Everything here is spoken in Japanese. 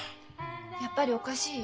やっぱりおかしい？